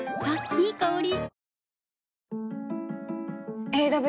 いい香り。